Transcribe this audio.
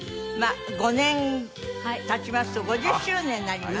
５年経ちますと５０周年になります。